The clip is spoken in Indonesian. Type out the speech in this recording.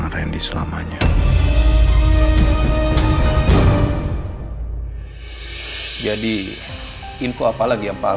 oke kita mau aja pemantau